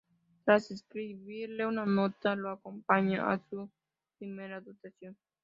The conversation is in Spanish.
Tras escribirle una nota, lo acompañará a su primera votación.